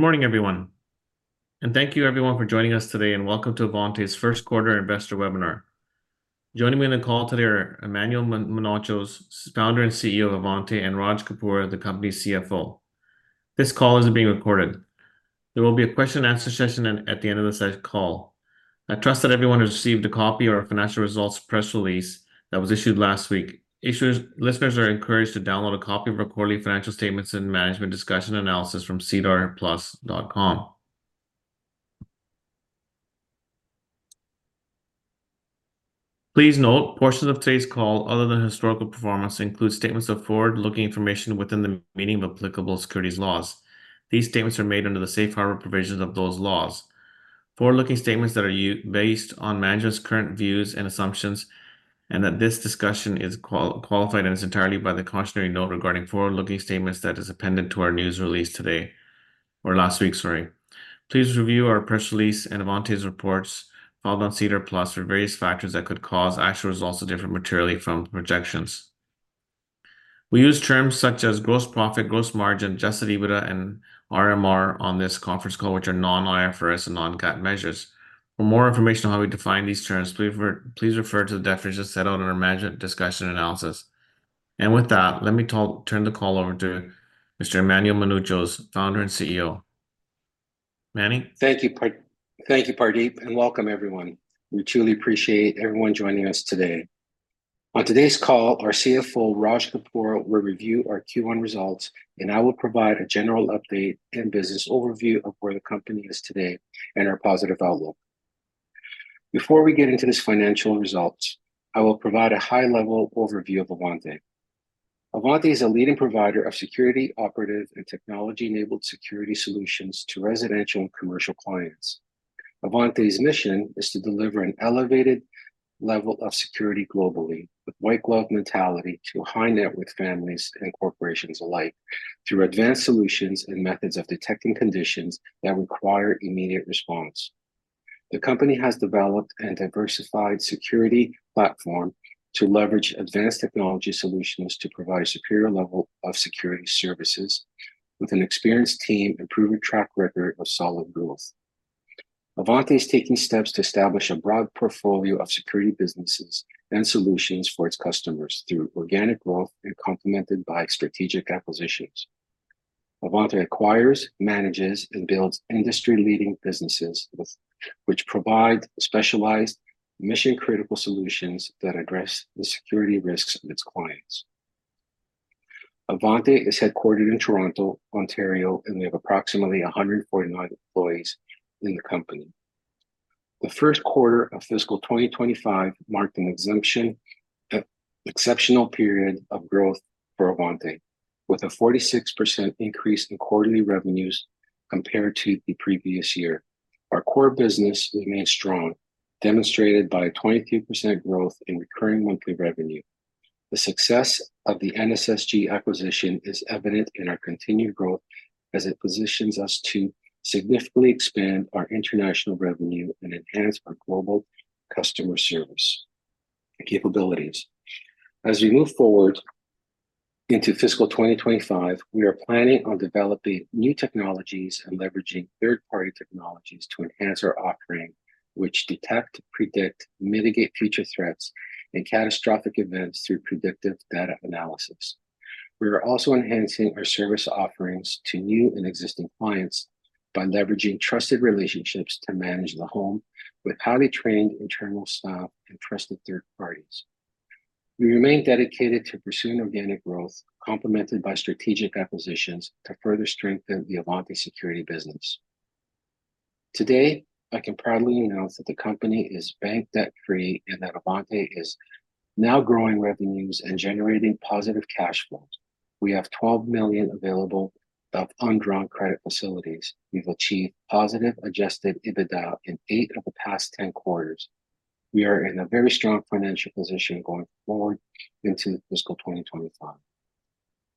Good morning, everyone, and thank you everyone for joining us today, and welcome to Avante's first quarter investor webinar. Joining me on the call today are Emmanuel Mounouchos, founder and CEO of Avante, and Raj Kapoor, the company's CFO. This call is being recorded. There will be a question and answer session at the end of this call. I trust that everyone has received a copy of our financial results press release that was issued last week. Listeners are encouraged to download a copy of our quarterly financial statements and management discussion analysis from sedarplus.com. Please note, portions of today's call, other than historical performance, include statements of forward-looking information within the meaning of applicable securities laws. These statements are made under the Safe Harbor provisions of those laws. Forward-looking statements that are based on management's current views and assumptions, and that this discussion is qualified in its entirety by the cautionary note regarding forward-looking statements that is appended to our news release today or last week. Please review our press release and Avante's reports filed on SEDAR+ for various factors that could cause actual results to differ materially from projections. We use terms such as gross profit, gross margin, adjusted EBITDA, and RMR on this conference call, which are non-IFRS and non-GAAP measures. For more information on how we define these terms, please refer to the definitions set out in our management discussion analysis. And with that, let me turn the call over to Mr. Emmanuel Mounouchos, Founder and CEO. Manny? Thank you, Pardeep, and welcome everyone. We truly appreciate everyone joining us today. On today's call, our CFO, Raj Kapoor, will review our Q1 results, and I will provide a general update and business overview of where the company is today and our positive outlook. Before we get into this financial results, I will provide a high-level overview of Avante. Avante is a leading provider of security, operative, and technology-enabled security solutions to residential and commercial clients. Avante's mission is to deliver an elevated level of security globally, with white glove mentality to high-net-worth families and corporations alike, through advanced solutions and methods of detecting conditions that require immediate response. The company has developed a diversified security platform to leverage advanced technology solutions to provide a superior level of security services, with an experienced team and proven track record of solid growth. Avante is taking steps to establish a broad portfolio of security businesses and solutions for its customers through organic growth and complemented by strategic acquisitions. Avante acquires, manages, and builds industry-leading businesses, which provide specialized mission-critical solutions that address the security risks of its clients. Avante is headquartered in Toronto, Ontario, and we have approximately 149 employees in the company. The first quarter of fiscal 2025 marked an exceptional period of growth for Avante, with a 46% increase in quarterly revenues compared to the previous year. Our core business remains strong, demonstrated by a 23% growth in recurring monthly revenue. The success of the NSSG acquisition is evident in our continued growth, as it positions us to significantly expand our international revenue and enhance our global customer service and capabilities. As we move forward into fiscal twenty twenty-five, we are planning on developing new technologies and leveraging third-party technologies to enhance our offering, which detect, predict, mitigate future threats, and catastrophic events through predictive data analysis. We are also enhancing our service offerings to new and existing clients by leveraging trusted relationships to manage the home with highly trained internal staff and trusted third parties. We remain dedicated to pursuing organic growth, complemented by strategic acquisitions, to further strengthen the Avante security business. Today, I can proudly announce that the company is bank debt-free and that Avante is now growing revenues and generating positive cash flows. We have 12 million available of undrawn credit facilities. We've achieved positive Adjusted EBITDA in eight of the past 10 quarters. We are in a very strong financial position going forward into fiscal twenty twenty-five.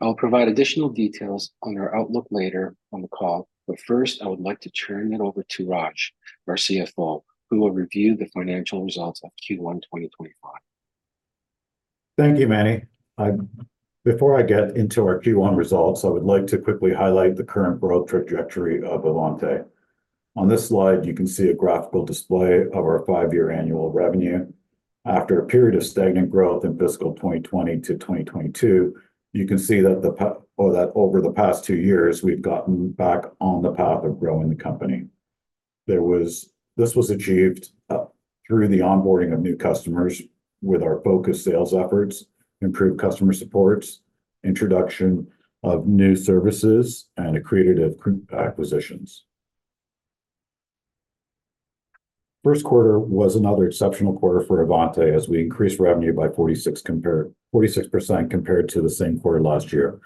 I will provide additional details on our outlook later on the call, but first, I would like to turn it over to Raj, our CFO, who will review the financial results of Q1 2025. Thank you, Manny. Before I get into our Q1 results, I would like to quickly highlight the current growth trajectory of Avante. On this slide, you can see a graphical display of our five-year annual revenue. After a period of stagnant growth in fiscal 2020 to 2022, you can see that over the past two years, we've gotten back on the path of growing the company. This was achieved through the onboarding of new customers with our focused sales efforts, improved customer supports, introduction of new services, and accretive acquisitions. First quarter was another exceptional quarter for Avante, as we increased revenue by 46% compared to the same quarter last year.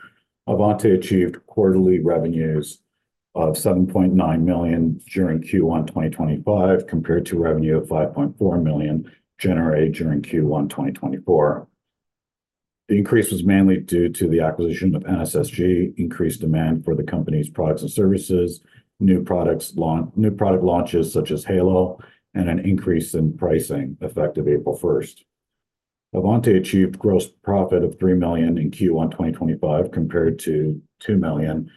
Avante achieved quarterly revenues of 7.9 million during Q1 2025, compared to revenue of 5.4 million generated during Q1 2024. The increase was mainly due to the acquisition of NSSG, increased demand for the company's products and services, new product launches, such as Halo, and an increase in pricing effective April first. Avante achieved gross profit of 3 million in Q1 2025, compared to 2 million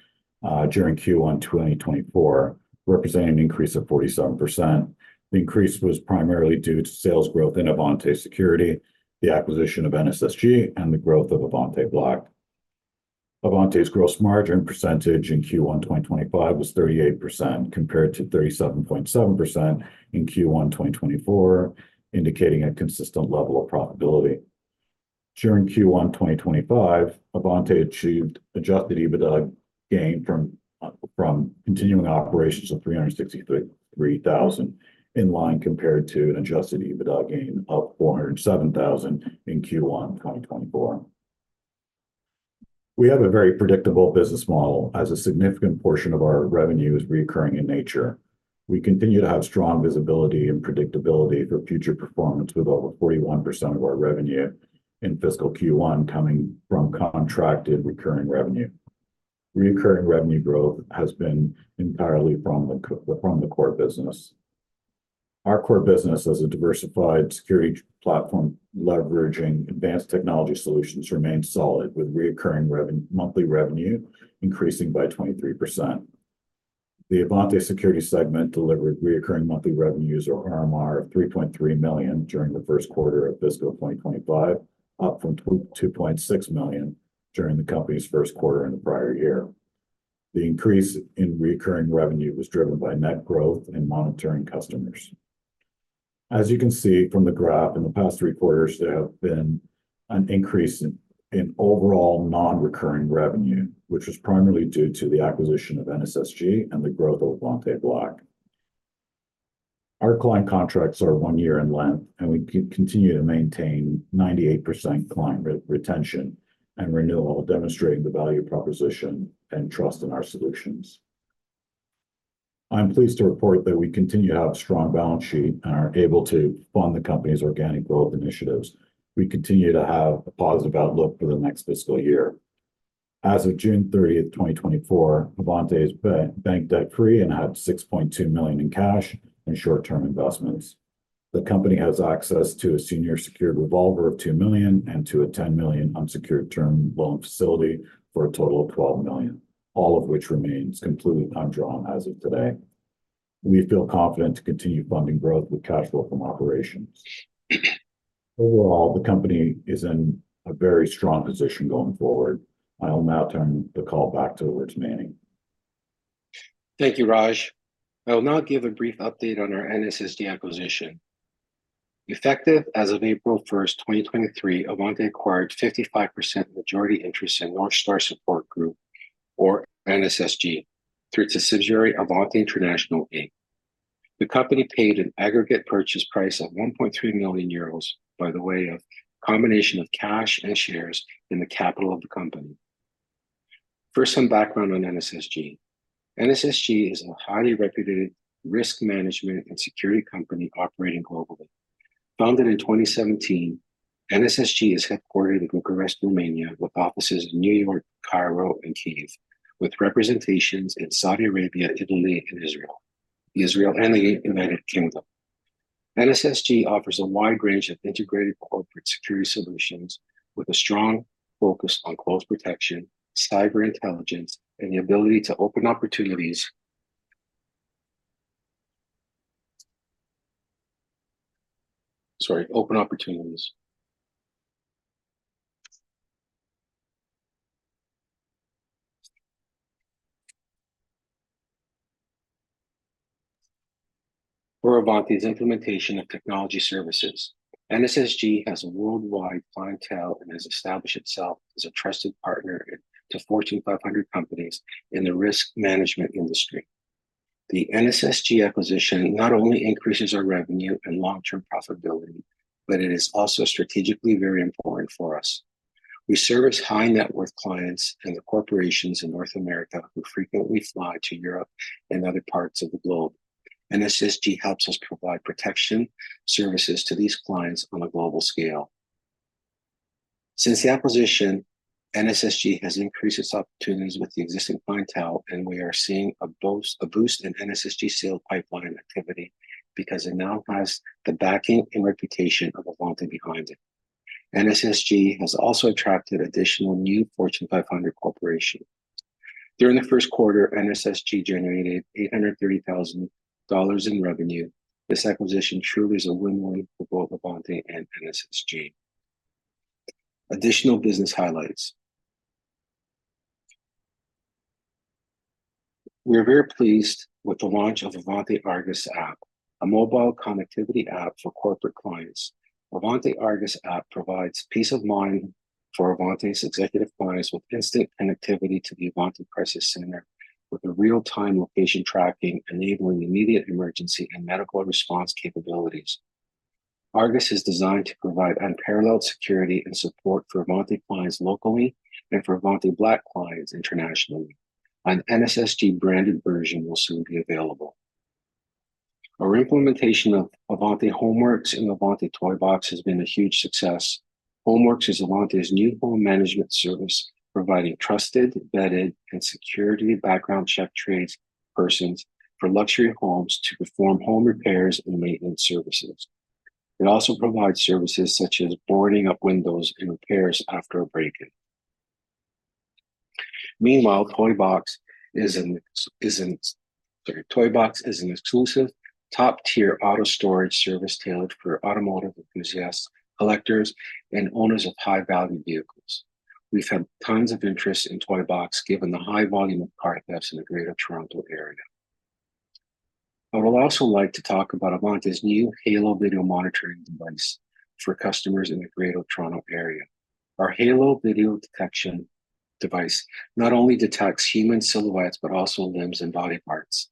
during Q1 2024, representing an increase of 47%. The increase was primarily due to sales growth in Avante Security, the acquisition of NSSG, and the growth of Avante Black. Avante's gross margin percentage in Q1 2025 was 38%, compared to 37.7% in Q1 2024, indicating a consistent level of profitability. During Q1 2025, Avante achieved adjusted EBITDA gain from continuing operations of 363,000, in line compared to an adjusted EBITDA gain of 407,000 in Q1 2024. We have a very predictable business model, as a significant portion of our revenue is recurring in nature. We continue to have strong visibility and predictability for future performance, with over 41% of our revenue in fiscal Q1 coming from contracted recurring revenue. Recurring revenue growth has been entirely from the from the core business. Our core business as a diversified security platform, leveraging advanced technology solutions remains solid, with recurring monthly revenue increasing by 23%. The Avante Security segment delivered recurring monthly revenues, or RMR, of 3.3 million during the first quarter of fiscal 2025, up from two point six million during the company's first quarter in the prior year. The increase in recurring revenue was driven by net growth in monitoring customers. As you can see from the graph, in the past three quarters, there have been an increase in overall non-recurring revenue, which was primarily due to the acquisition of NSSG and the growth of Avante Black. Our client contracts are one year in length, and we continue to maintain 98% client retention and renewal, demonstrating the value proposition and trust in our solutions. I'm pleased to report that we continue to have a strong balance sheet and are able to fund the company's organic growth initiatives. We continue to have a positive outlook for the next fiscal year. As of June 30th, 2024, Avante is bank debt-free and had 6.2 million in cash and short-term investments. The company has access to a Senior Secured Revolver of 2 million and to a 10 million Unsecured Term Loan facility, for a total of 12 million, all of which remains completely undrawn as of today. We feel confident to continue funding growth with cash flow from operations. Overall, the company is in a very strong position going forward. I will now turn the call back towards Manny. Thank you, Raj. I will now give a brief update on our NSSG acquisition. Effective as of April 1st, 2023, Avante acquired 55% majority interest in North Star Support Group, or NSSG, through its subsidiary, Avante International Inc..The company paid an aggregate purchase price of 1.3 million euros by way of combination of cash and shares in the capital of the company. First, some background on NSSG. NSSG is a highly reputed risk management and security company operating globally. Founded in 2017, NSSG is headquartered in Bucharest, Romania, with offices in New York, Cairo, and Kyiv, with representations in Saudi Arabia, Italy, Israel, and the United Kingdom. NSSG offers a wide range of integrated corporate security solutions with a strong focus on close protection, cyber intelligence, and the ability to open opportunities for Avante's implementation of technology services. NSSG has a worldwide clientele and has established itself as a trusted partner to Fortune 500 companies in the risk management industry. The NSSG acquisition not only increases our revenue and long-term profitability, but it is also strategically very important for us. We service high-net-worth clients and the corporations in North America who frequently fly to Europe and other parts of the globe. NSSG helps us provide protection services to these clients on a global scale. Since the acquisition, NSSG has increased its opportunities with the existing clientele, and we are seeing a boost, a boost in NSSG sales pipeline activity, because it now has the backing and reputation of Avante behind it. NSSG has also attracted additional new Fortune 500 corporations. During the first quarter, NSSG generated $830,000 in revenue. This acquisition truly is a win-win for both Avante and NSSG. Additional business highlights. We are very pleased with the launch of Avante Argus app, a mobile connectivity app for corporate clients. Avante Argus app provides peace of mind for Avante's executive clients, with instant connectivity to the Avante Crisis Center, with a real-time location tracking, enabling immediate emergency and medical response capabilities. Argus is designed to provide unparalleled security and support for Avante clients locally and for Avante Black clients internationally. An NSSG-branded version will soon be available. Our implementation of Avante HomeWorks and Avante ToyBox has been a huge success. HomeWorks is Avante's new home management service, providing trusted, vetted, and security background-checked tradespersons for luxury homes to perform home repairs and maintenance services. It also provides services such as boarding up windows and repairs after a break-in. Meanwhile, ToyBox is an exclusive top-tier auto storage service tailored for automotive enthusiasts, collectors, and owners of high-value vehicles. We've had tons of interest in ToyBox, given the high volume of car thefts in the Greater Toronto Area. I would also like to talk about Avante's new Halo video monitoring device for customers in the Greater Toronto Area. Our Halo video detection device not only detects human silhouettes, but also limbs and body parts.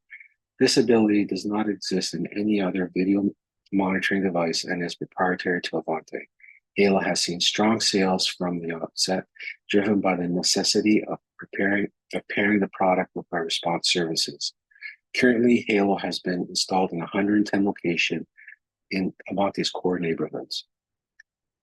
This ability does not exist in any other video monitoring device, and is proprietary to Avante. Halo has seen strong sales from the onset, driven by the necessity of pairing the product with our response services. Currently, Halo has been installed in 110 locations in Avante's core neighborhoods.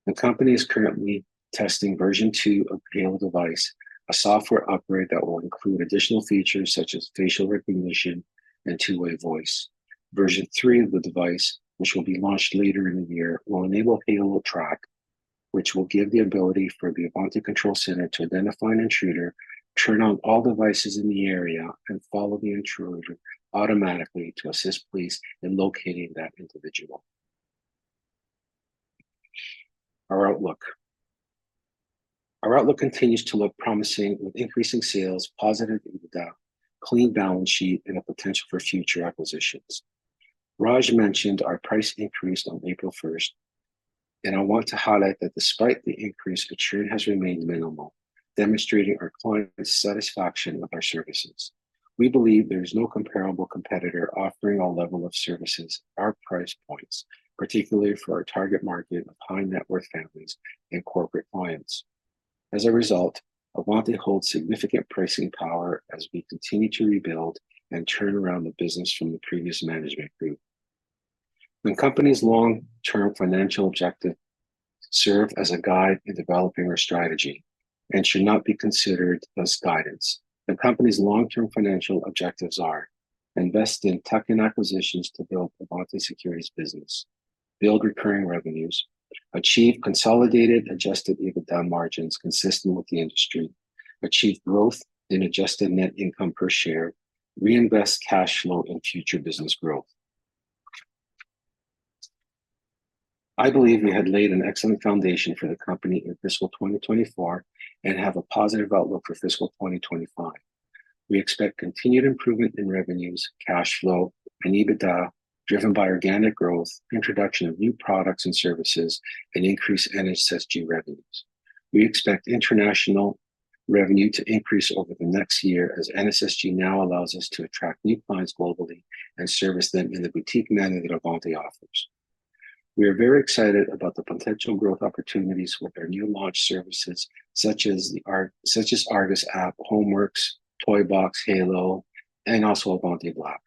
The company is currently testing version two of Halo device, a software upgrade that will include additional features such as facial recognition and two-way voice. Version three of the device, which will be launched later in the year, will enable Halo Track, which will give the ability for the Avante control center to identify an intruder, turn on all devices in the area, and follow the intruder automatically to assist police in locating that individual. Our outlook. Our outlook continues to look promising, with increasing sales, positive EBITDA, clean balance sheet, and the potential for future acquisitions. Raj mentioned our price increase on April 1st, and I want to highlight that despite the increase, attrition has remained minimal, demonstrating our clients' satisfaction with our services. We believe there is no comparable competitor offering all levels of services, our price points, particularly for our target market of high-net-worth families and corporate clients. As a result, Avante holds significant pricing power as we continue to rebuild and turn around the business from the previous management group. The company's long-term financial objectives serve as a guide in developing our strategy, and should not be considered as guidance. The company's long-term financial objectives are: invest in tuck-in acquisitions to build Avante Security business, build recurring revenues, achieve consolidated, Adjusted EBITDA margins consistent with the industry, achieve growth in adjusted net income per share, reinvest cash flow in future business growth. I believe we have laid an excellent foundation for the company in fiscal 2024, and have a positive outlook for fiscal 2025. We expect continued improvement in revenues, cash flow, and EBITDA, driven by organic growth, introduction of new products and services, and increased NSSG revenues. We expect international revenue to increase over the next year, as NSSG now allows us to attract new clients globally and service them in the boutique manner that Avante offers. We are very excited about the potential growth opportunities with our new launch services, such as the Argus app, HomeWorks, ToyBox, Halo, and also Avante Black.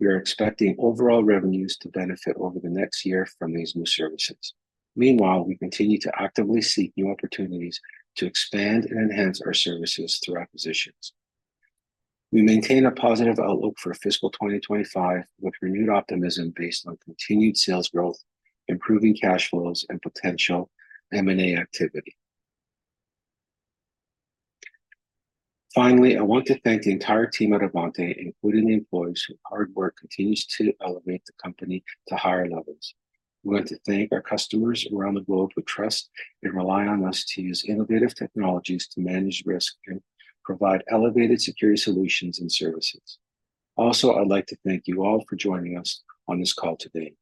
We are expecting overall revenues to benefit over the next year from these new services. Meanwhile, we continue to actively seek new opportunities to expand and enhance our services through acquisitions. We maintain a positive outlook for fiscal 2025, with renewed optimism based on continued sales growth, improving cash flows, and potential M&A activity. Finally, I want to thank the entire team at Avante, including the employees, whose hard work continues to elevate the company to higher levels. We want to thank our customers around the globe who trust and rely on us to use innovative technologies to manage risk and provide elevated security solutions and services. Also, I'd like to thank you all for joining us on this call today.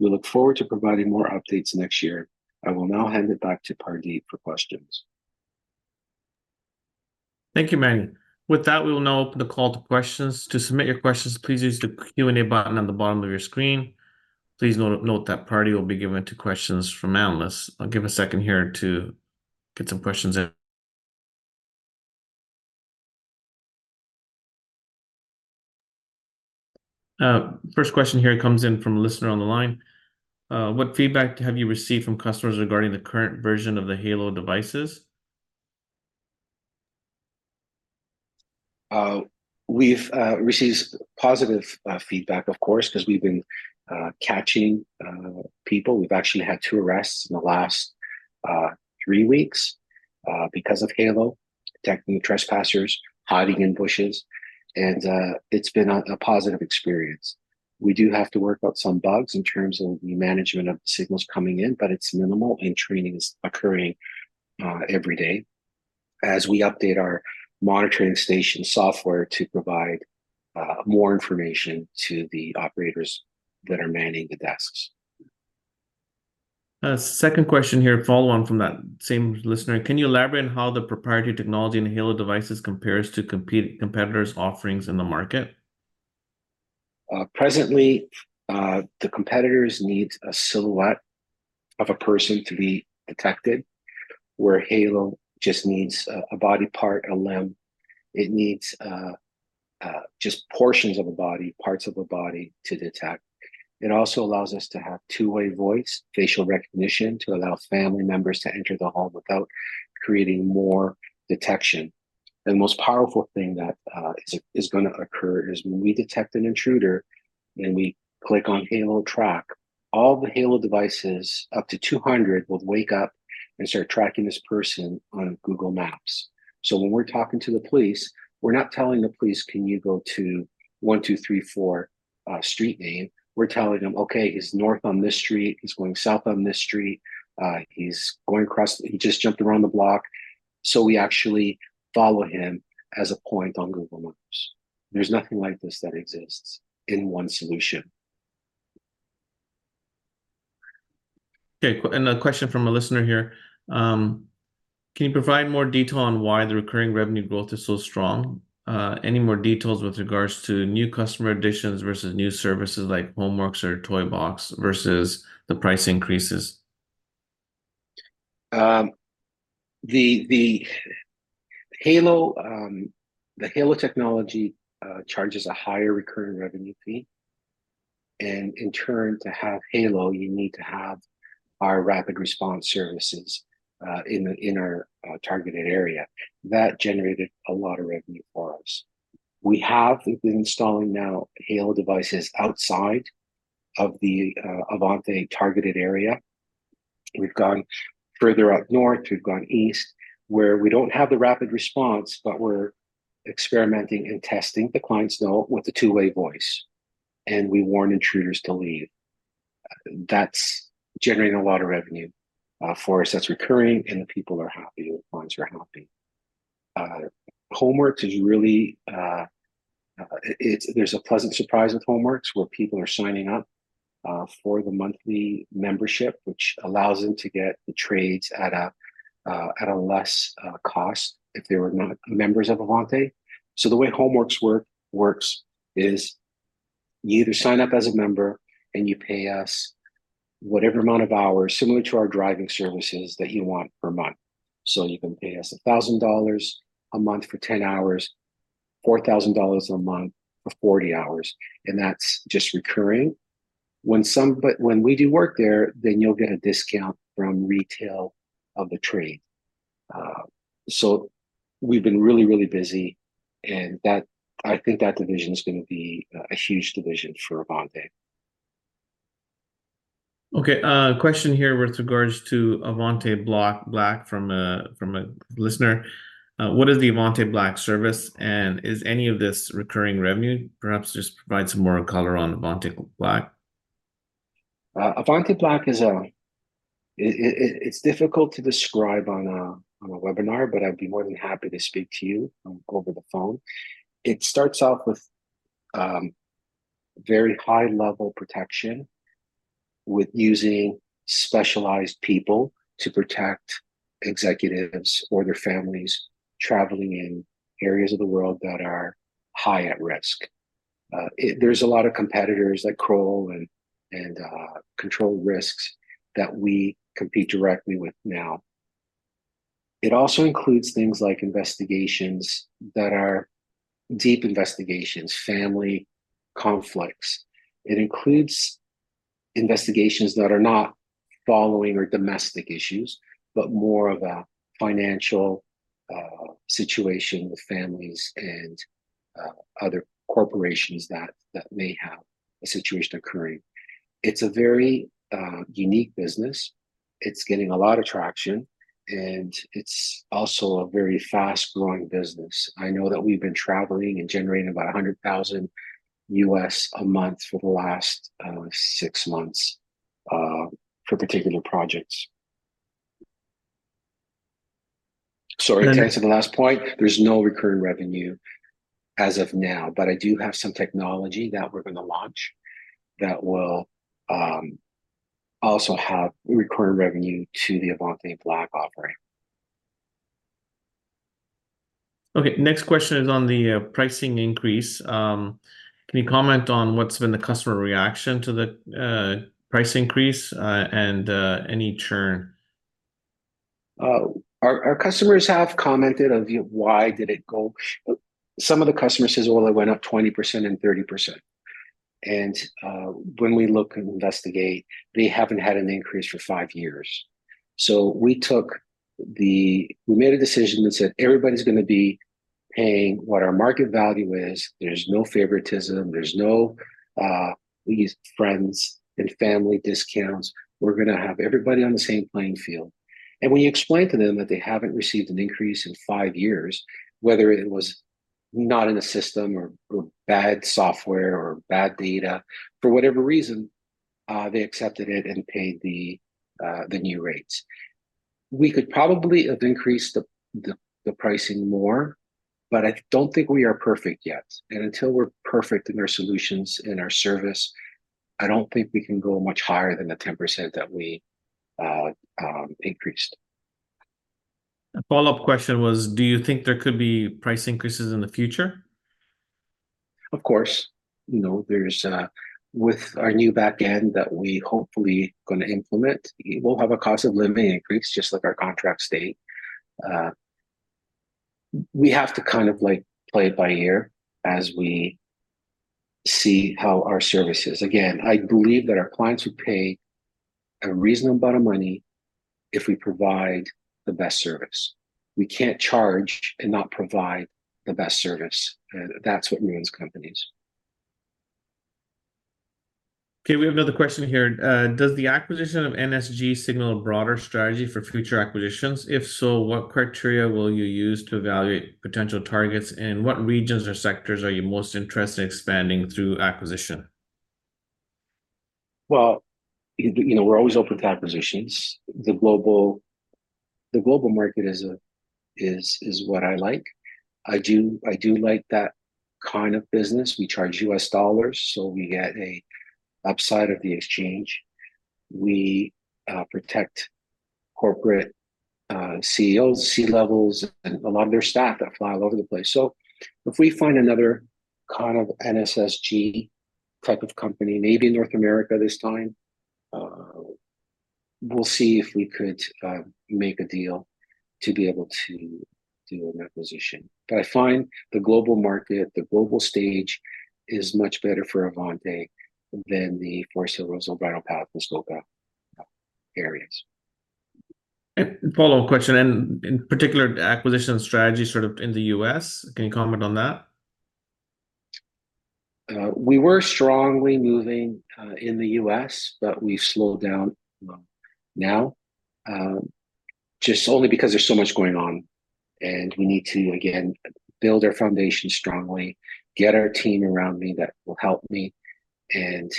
We look forward to providing more updates next year. I will now hand it back to Pardeep for questions. Thank you, Manny. With that, we will now open the call to questions. To submit your questions, please use the Q&A button on the bottom of your screen. Please note that Pardeep will be getting to questions from analysts. I'll give a second here to get some questions in. First question here comes in from a listener on the line. "What feedback have you received from customers regarding the current version of the Halo devices? We've received positive feedback, of course, 'cause we've been catching people. We've actually had two arrests in the last three weeks because of Halo detecting trespassers hiding in bushes, and it's been a positive experience. We do have to work out some bugs in terms of the management of the signals coming in, but it's minimal, and training is occurring every day as we update our monitoring station software to provide more information to the operators that are manning the desks. Second question here, follow-on from that same listener: "Can you elaborate on how the proprietary technology in Halo devices compares to competitors' offerings in the market? Presently, the competitors need a silhouette of a person to be detected, where Halo just needs a body part, a limb. It needs just portions of a body, parts of a body to detect. It also allows us to have two-way voice, facial recognition, to allow family members to enter the home without creating more detection. And the most powerful thing that is gonna occur is when we detect an intruder and we click on Halo Track, all the Halo devices, up to two hundred, will wake up and start tracking this person on Google Maps. So when we're talking to the police, we're not telling the police, "Can you go to one, two, three, four, street name?" We're telling them, "Okay, he's north on this street, he's going south on this street. He's going across- he just jumped around the block." So we actually follow him as a point on Google Maps. There's nothing like this that exists in one solution. Okay, and a question from a listener here: Can you provide more detail on why the recurring revenue growth is so strong? Any more details with regards to new customer additions versus new services, like HomeWorks or ToyBox, versus the price increases? The Halo technology charges a higher recurring revenue fee, and in turn, to have Halo, you need to have our rapid response services in our targeted area. That generated a lot of revenue for us. We have been installing now Halo devices outside of the Avante targeted area. We've gone further up north, we've gone east, where we don't have the rapid response, but we're experimenting and testing, the clients know, with the two-way voice, and we warn intruders to leave. That's generating a lot of revenue for us, that's recurring, and the people are happy, the clients are happy. HomeWorks is really... There's a pleasant surprise with HomeWorks, where people are signing up for the monthly membership, which allows them to get the trades at a less cost if they were not members of Avante. So the way HomeWorks works is you either sign up as a member and you pay us whatever amount of hours, similar to our driving services, that you want per month. So you can pay us 1,000 dollars a month for 10 hours, 4,000 dollars a month for 40 hours, and that's just recurring. When we do work there, then you'll get a discount from retail of the trade. So we've been really, really busy, and that. I think that division's gonna be a huge division for Avante. Okay, question here with regards to Avante Black from a listener. What is the Avante Black service, and is any of this recurring revenue? Perhaps just provide some more color on Avante Black. Avante Black is, it's difficult to describe on a webinar, but I'd be more than happy to speak to you over the phone. It starts off with very high-level protection, with using specialized people to protect executives or their families traveling in areas of the world that are high at risk. There's a lot of competitors, like Kroll and Control Risks, that we compete directly with now. It also includes things like investigations that are deep investigations, family conflicts. It includes investigations that are not following or domestic issues, but more of a financial situation with families and other corporations that may have a situation occurring. It's a very unique business. It's getting a lot of traction, and it's also a very fast-growing business. I know that we've been traveling and generating about $100,000 a month for the last six months for particular projects. Sorry, can I add to the last point? There's no recurring revenue as of now, but I do have some technology that we're gonna launch that will also have recurring revenue to the Avante Black offering. Okay, next question is on the pricing increase. Can you comment on what's been the customer reaction to the price increase, and any churn? Our customers have commented of, "Why did it go...?" Some of the customers says, "Well, it went up 20% and 30%." And when we look and investigate, they haven't had an increase for five years. So we took the we made a decision and said, "Everybody's gonna be paying what our market value is. There's no favoritism, there's no friends and family discounts. We're gonna have everybody on the same playing field." And when you explain to them that they haven't received an increase in five years, whether it was not in the system or bad software or bad data, for whatever reason, they accepted it and paid the new rates. We could probably have increased the pricing more, but I don't think we are perfect yet. And until we're perfect in our solutions and our service, I don't think we can go much higher than the 10% that we increased. A follow-up question was, Do you think there could be price increases in the future? Of course. You know, there's... With our new back end that we hopefully gonna implement, we'll have a cost of living increase, just like our contract state. We have to kind of, like, play it by ear as we see how our service is. Again, I believe that our clients would pay a reasonable amount of money if we provide the best service. We can't charge and not provide the best service. That's what ruins companies. Okay, we have another question here. Does the acquisition of NSSG signal a broader strategy for future acquisitions? If so, what criteria will you use to evaluate potential targets, and what regions or sectors are you most interested in expanding through acquisition? You know, we're always open to acquisitions. The global market is what I like. I do, I do like that kind of business. We charge USD, so we get an upside of the exchange. We protect corporate CEOs, C-levels, and a lot of their staff that fly all over the place. So if we find another kind of NSSG type of company, maybe in North America this time, we'll see if we could make a deal to be able to do an acquisition. But I find the global market, the global stage, is much better for Avante than the Forest Hills, Oak Lawn, Palos Park, Chicago areas. Follow-up question, and in particular, the acquisition strategy sort of in the U.S., can you comment on that? We were strongly moving in the U.S., but we've slowed down now just only because there's so much going on, and we need to, again, build our foundation strongly, get our team around me that will help me, and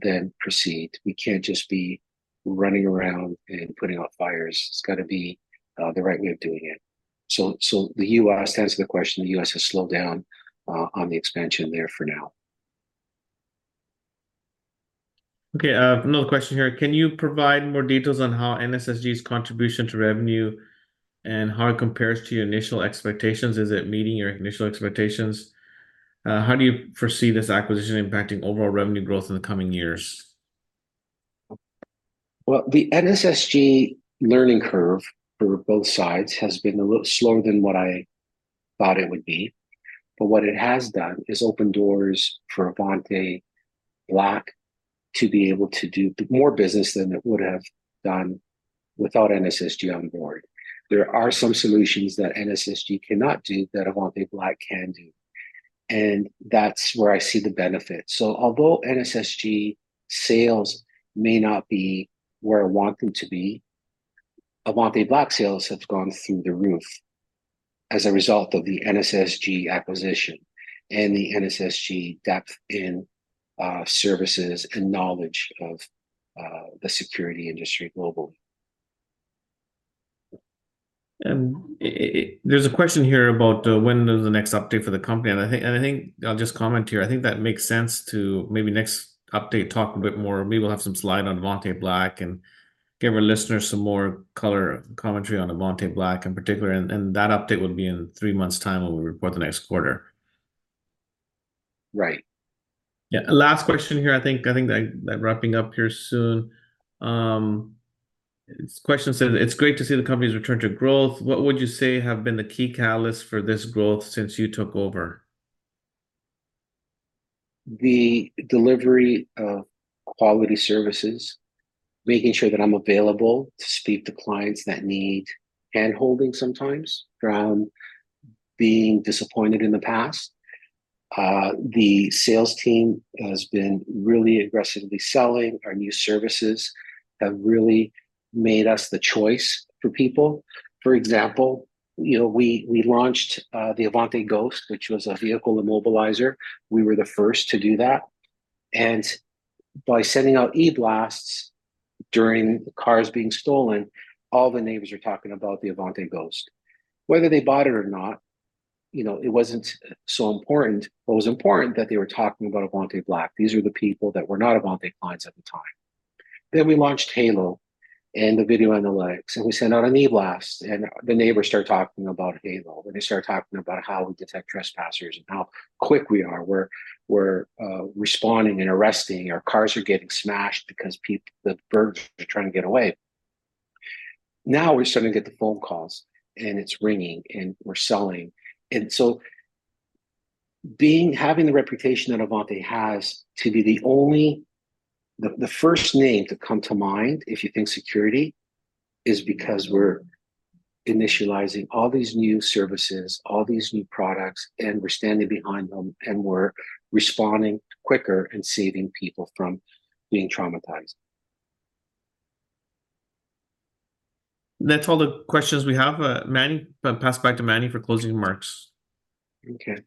then proceed. We can't just be running around and putting out fires. It's gotta be the right way of doing it. So the U.S., to answer the question, the U.S. has slowed down on the expansion there for now. Okay, another question here: Can you provide more details on how NSSG's contribution to revenue and how it compares to your initial expectations? Is it meeting your initial expectations? How do you foresee this acquisition impacting overall revenue growth in the coming years? The NSSG learning curve for both sides has been a little slower than what I thought it would be, but what it has done is opened doors for Avante Black to be able to do more business than it would have done without NSSG on board. There are some solutions that NSSG cannot do that Avante Black can do, and that's where I see the benefit. So although NSSG sales may not be where I want them to be, Avante Black sales have gone through the roof as a result of the NSSG acquisition and the NSSG depth in services and knowledge of the security industry globally. There's a question here about when does the next update for the company? I think I'll just comment here. I think that makes sense to maybe next update, talk a bit more. Maybe we'll have some slide on Avante Black, and give our listeners some more color, commentary on Avante Black in particular, and that update will be in three months' time when we report the next quarter. Right. Yeah, last question here. I think we're wrapping up here soon. This question said, "It's great to see the company's return to growth. What would you say have been the key catalyst for this growth since you took over? The delivery of quality services, making sure that I'm available to speak to clients that need hand-holding sometimes from being disappointed in the past. The sales team has been really aggressively selling. Our new services have really made us the choice for people. For example, you know, we launched the Avante Ghost, which was a vehicle immobilizer. We were the first to do that, and by sending out e-blasts during cars being stolen, all the neighbors are talking about the Avante Ghost. Whether they bought it or not, you know, it wasn't so important. What was important, that they were talking about Avante Black. These are the people that were not Avante clients at the time. Then we launched Halo and the video analytics, and we sent out an e-blast, and the neighbors started talking about Halo, and they started talking about how we detect trespassers and how quick we are. We're responding and arresting, or cars are getting smashed because the burglars are trying to get away. Now we're starting to get the phone calls, and it's ringing, and we're selling, and so being, having the reputation that Avante has to be the only... the first name to come to mind if you think security, is because we're initializing all these new services, all these new products, and we're standing behind them, and we're responding quicker and saving people from being traumatized. That's all the questions we have. Manny, I'll pass it back to Manny for closing remarks. Okay.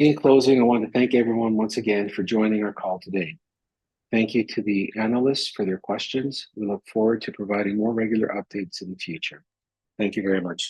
In closing, I want to thank everyone once again for joining our call today. Thank you to the analysts for their questions. We look forward to providing more regular updates in the future. Thank you very much.